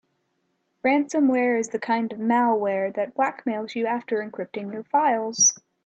Ransomware is the kind of malware that blackmails you after encrypting your files.